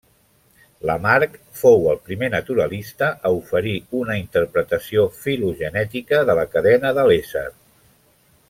Lamarck fou el primer naturalista a oferir una interpretació filogenètica de la cadena de l'ésser.